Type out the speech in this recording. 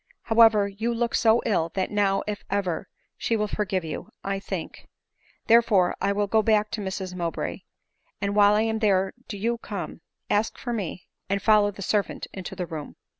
However, you look so ill, that now, if eyer, she will forgive you, I think; therefore I will go back to Mrs Mowbray ; and while I am there do you come, ask for me, and follow the servant into the room."